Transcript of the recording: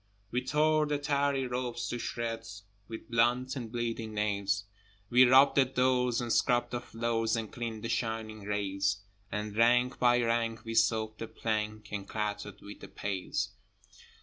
We tore the tarry rope to shreds With blunt and bleeding nails; We rubbed the doors, and scrubbed the floors, And cleaned the shining rails: And, rank by rank, we soaped the plank, And clattered with the pails.